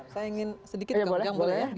saya ingin sedikit ke ujang boleh ya